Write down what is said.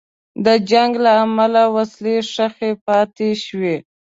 د جنګ له امله وسلې ښخي پاتې شوې.